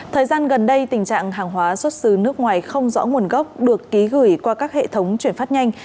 thời gian gần đây tình trạng hàng hóa xuất xứ nước ngoài không rõ nguồn gốc được ký gửi qua các hệ thống chuyển phát nhanh